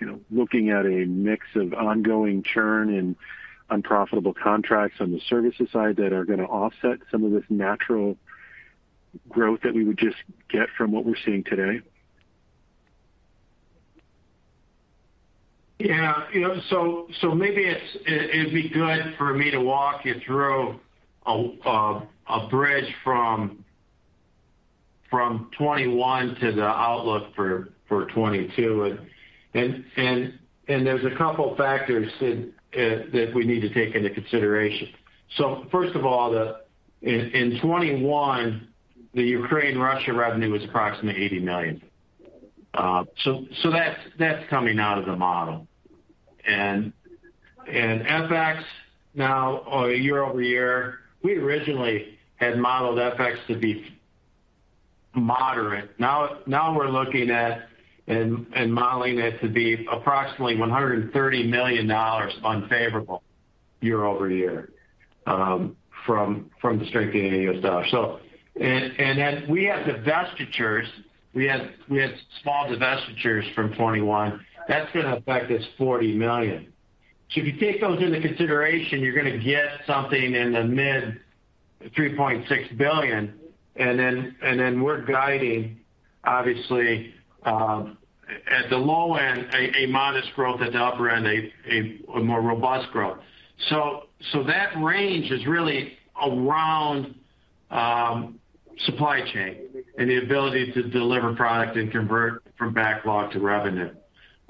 you know, looking at a mix of ongoing churn in unprofitable contracts on the services side that are gonna offset some of this natural growth that we would just get from what we're seeing today? Yeah. You know, maybe it'd be good for me to walk you through a bridge from 2021 to the outlook for 2022. There's a couple factors that we need to take into consideration. First of all, in 2021, the Ukraine-Russia revenue was approximately $80 million. That's coming out of the model. FX year-over-year, we originally had modeled FX to be moderate. Now we're looking at and modeling it to be approximately $130 million unfavorable year-over-year, from the strengthening of the US dollar. Then we have divestitures. We had small divestitures from 2021. That's gonna affect us $40 million. If you take those into consideration, you're gonna get something in the mid-$3.6 billion. Then we're guiding obviously at the low end a modest growth, at the upper end a more robust growth. That range is really around supply chain and the ability to deliver product and convert from backlog to revenue.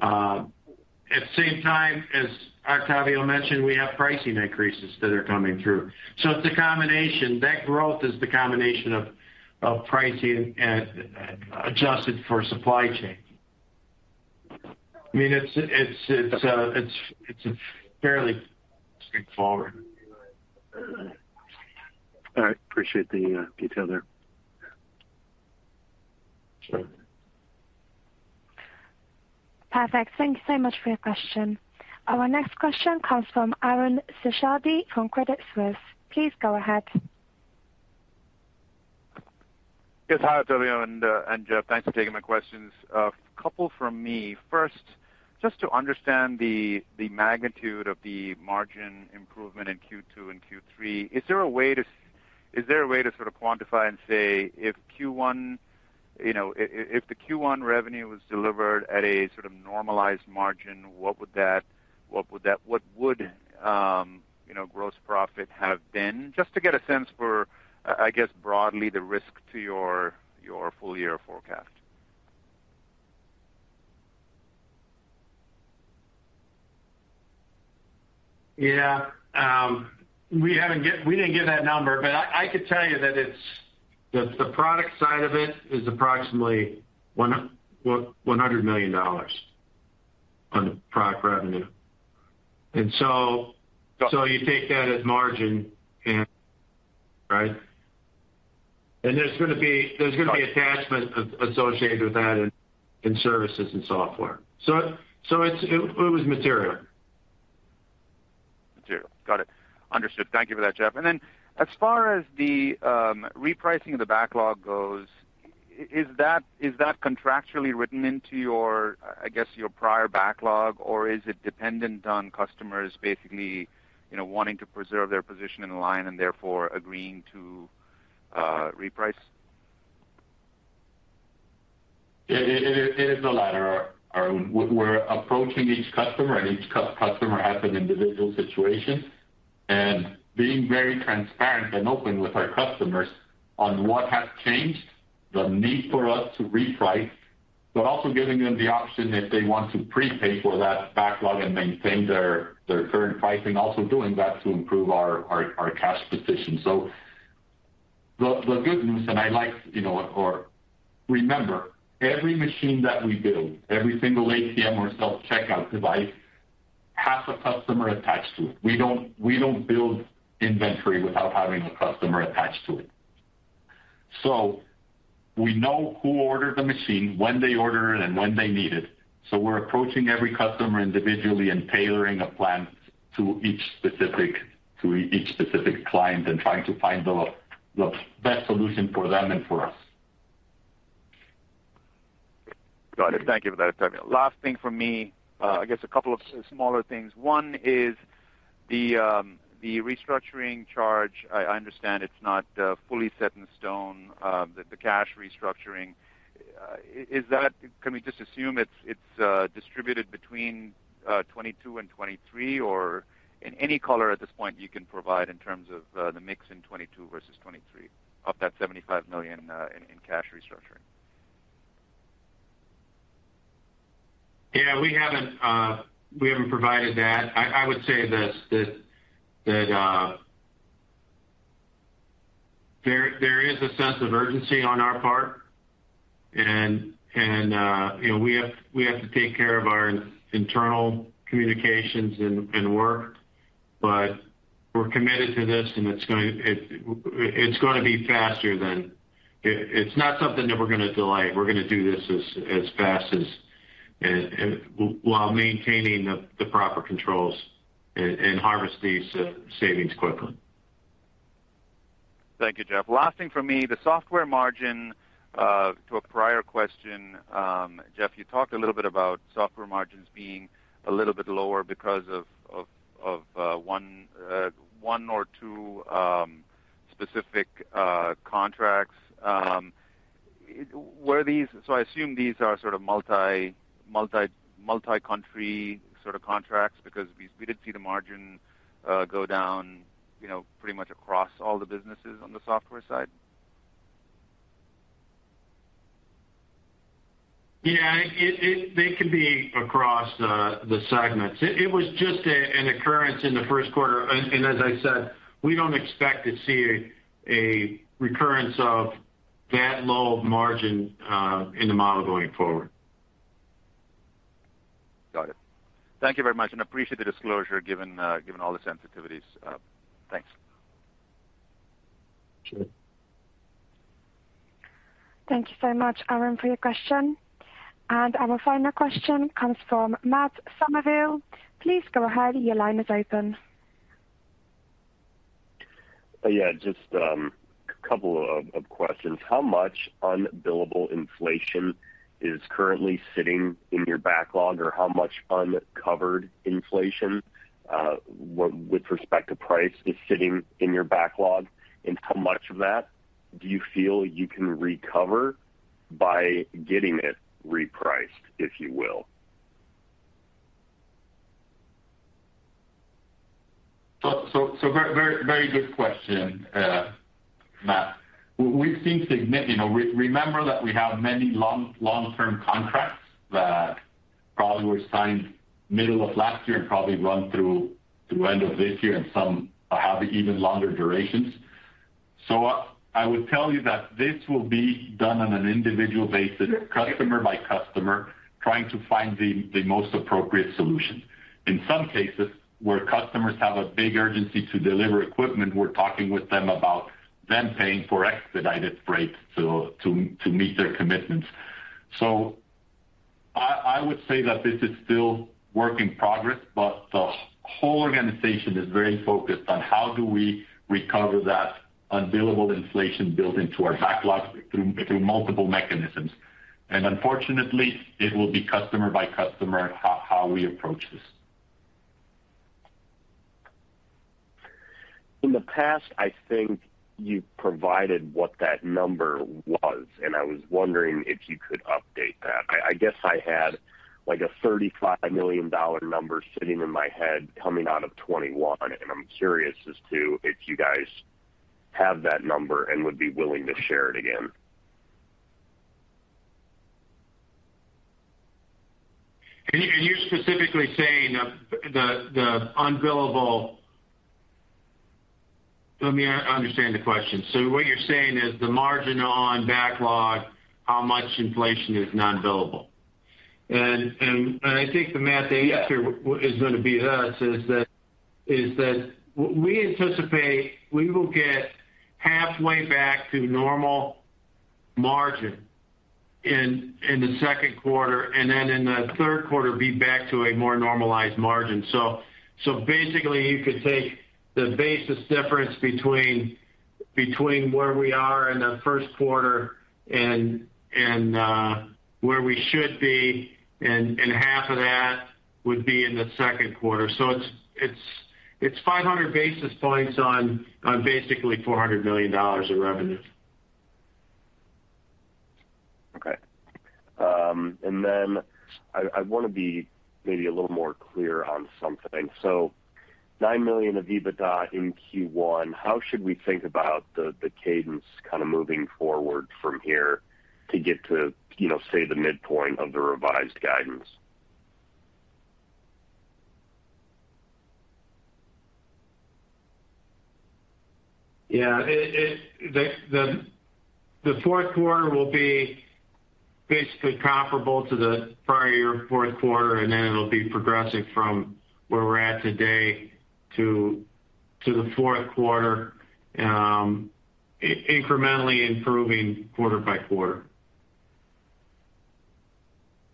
At the same time, as Octavio mentioned, we have pricing increases that are coming through. It's a combination. That growth is the combination of pricing and adjusted for supply chain. I mean, it's fairly straightforward. All right. Appreciate the detail there. Sure. Perfect. Thank you so much for your question. Our next question comes from Arun Seshadri from Credit Suisse. Please go ahead. Yes. Hi, Octavio and Jeff. Thanks for taking my questions. A couple from me. First, just to understand the magnitude of the margin improvement in Q2 and Q3, is there a way to sort of quantify and say if Q1, you know, if the Q1 revenue was delivered at a sort of normalized margin, what would that gross profit have been? You know, just to get a sense for, I guess broadly the risk to your full year forecast. Yeah, we didn't get that number. I could tell you that it's the product side of it is approximately $100 million on the product revenue. You take that as margin and, right? There's gonna be attachment associated with that in services and software. It was material. Material. Got it. Understood. Thank you for that, Jeff. Then as far as the repricing of the backlog goes, is that contractually written into your, I guess, your prior backlog, or is it dependent on customers basically, you know, wanting to preserve their position in line and therefore agreeing to reprice? It is the latter, Arun. We're approaching each customer, and each customer has an individual situation. Being very transparent and open with our customers on what has changed, the need for us to reprice, but also giving them the option if they want to prepay for that backlog and maintain their current pricing, also doing that to improve our cash position. The good news, and I like, you know, remember, every machine that we build, every single ATM or self-checkout device has a customer attached to it. We don't build inventory without having a customer attached to it. We know who ordered the machine, when they order it, and when they need it, so we're approaching every customer individually and tailoring a plan to each specific client and trying to find the best solution for them and for us. Got it. Thank you for that, Octavio. Last thing for me. I guess a couple of smaller things. One is the restructuring charge. I understand it's not fully set in stone, the cash restructuring. Is that? Can we just assume it's distributed between 2022 and 2023? Or any color at this point you can provide in terms of the mix in 2022 versus 2023 of that $75 million in cash restructuring. Yeah. We haven't provided that. I would say that there is a sense of urgency on our part, and you know, we have to take care of our internal communications and work. We're committed to this, and it's gonna be faster than. It's not something that we're gonna delay. We're gonna do this as fast as and while maintaining the proper controls and harvest these savings quickly. Thank you, Jeff. Last thing from me, the software margin to a prior question. Jeff, you talked a little bit about software margins being a little bit lower because of one or two specific contracts. Were these? I assume these are sort of multi-country sort of contracts because we did see the margin go down, you know, pretty much across all the businesses on the software side. Yeah. They can be across the segments. It was just an occurrence in the Q1. As I said, we don't expect to see a recurrence of that low margin in the model going forward. Got it. Thank you very much and appreciate the disclosure given all the sensitivities. Thanks. Sure. Thank you so much, Arun, for your question. Our final question comes from Matt Summerville. Please go ahead. Your line is open. Yeah. Just a couple of questions. How much unbillable inflation is currently sitting in your backlog, or how much uncovered inflation with respect to price is sitting in your backlog? How much of that do you feel you can recover by getting it repriced, if you will? Very good question, Matt. You know, remember that we have many long-term contracts that probably were signed middle of last year and probably run through end of this year, and some have even longer durations. I would tell you that this will be done on an individual basis, customer by customer, trying to find the most appropriate solution. In some cases, where customers have a big urgency to deliver equipment, we're talking with them about them paying for expedited freight to meet their commitments. I would say that this is still work in progress, but the whole organization is very focused on how do we recover that unbillable inflation built into our backlog through multiple mechanisms. Unfortunately, it will be customer by customer how we approach this. In the past, I think you provided what that number was, and I was wondering if you could update that. I guess I had, like, a $35 million number sitting in my head coming out of 2021, and I'm curious as to if you guys have that number and would be willing to share it again. You're specifically saying the unbillable. Let me understand the question. What you're saying is the margin on backlog, how much inflation is non-billable? And I think the math answer. Yes. is gonna be us, is that we anticipate we will get halfway back to normal margin in the Q2, and then in the Q3 be back to a more normalized margin. So basically you could take the basis difference between where we are in the Q1 and where we should be, and half of that would be in the Q2. So it's 500 basis points on basically $400 million of revenue. Okay. I wanna be maybe a little more clear on something. $9 million of EBITDA in Q1, how should we think about the cadence kinda moving forward from here to get to, you know, say, the midpoint of the revised guidance? Yeah. The Q4 will be basically comparable to the prior year Q4, and then it'll be progressive from where we're at today to the Q4, incrementally improving quarter by quarter.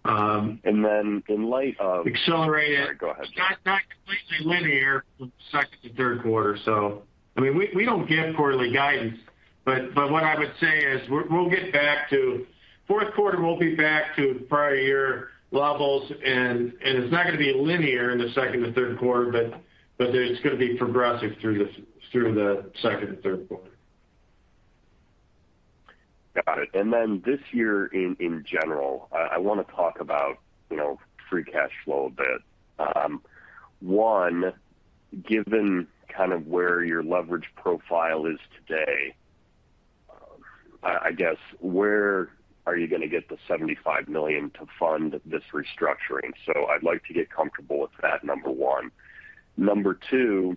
In light of Accelerated. Sorry. Go ahead. Not completely linear from second to Q3. I mean, we don't give quarterly guidance, but what I would say is we'll get back to Q4, we'll be back to prior year levels and it's not gonna be linear in the second or Q3, but it's gonna be progressive through the second and Q3. Got it. Then this year in general, I wanna talk about, you know, free cash flow a bit. One, given kind of where your leverage profile is today, I guess, where are you gonna get the $75 million to fund this restructuring? I'd like to get comfortable with that, number one. Number two,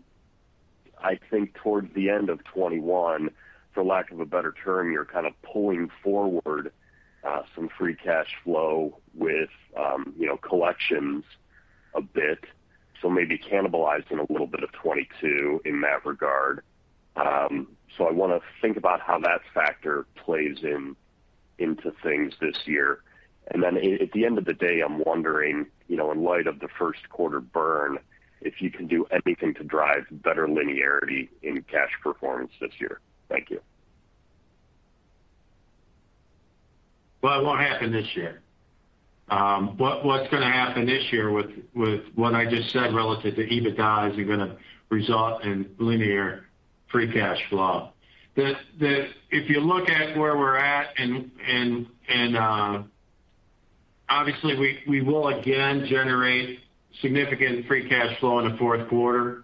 I think towards the end of 2021, for lack of a better term, you're kind of pulling forward some free cash flow with, you know, collections a bit, so maybe cannibalizing a little bit of 2022 in that regard. I wanna think about how that factor plays into things this year. Then at the end of the day, I'm wondering, you know, in light of the Q1 burn, if you can do anything to drive better linearity in cash performance this year. Thank you. Well, it won't happen this year. What's gonna happen this year with what I just said relative to EBITDA is gonna result in linear free cash flow. If you look at where we're at and obviously, we will again generate significant free cash flow in the Q4.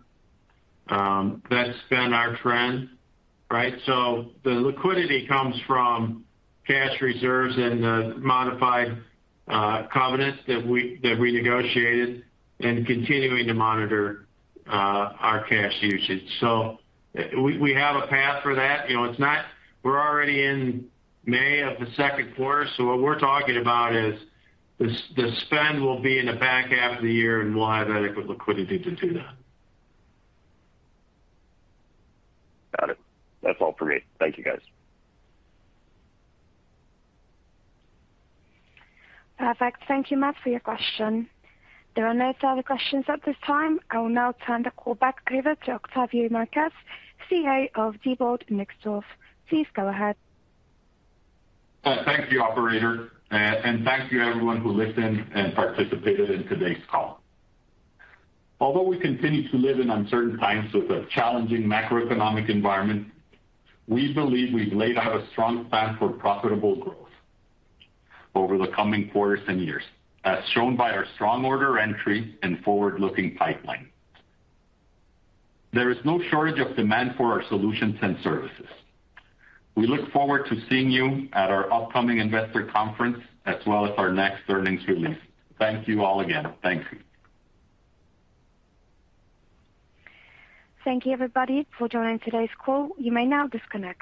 That's been our trend, right? The liquidity comes from cash reserves and the modified covenants that we negotiated and continuing to monitor our cash usage. We have a path for that. You know, we're already in May of the Q2, so what we're talking about is the spend will be in the back half of the year, and we'll have adequate liquidity to do that. Got it. That's all for me. Thank you, guys. Perfect. Thank you, Matt, for your question. There are no further questions at this time. I will now turn the call back over to Octavio Marquez, CEO of Diebold Nixdorf. Please go ahead. Thank you, operator. Thank you everyone who listened and participated in today's call. Although we continue to live in uncertain times with a challenging macroeconomic environment, we believe we've laid out a strong plan for profitable growth over the coming quarters and years, as shown by our strong order entry and forward-looking pipeline. There is no shortage of demand for our solutions and services. We look forward to seeing you at our upcoming investor conference as well as our next earnings release. Thank you all again. Thank you. Thank you everybody for joining today's call. You may now disconnect.